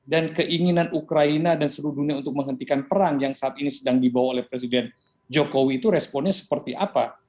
dan keinginan ukraina dan seluruh dunia untuk menghentikan perang yang saat ini sedang dibawa oleh presiden jokowi itu responnya seperti apa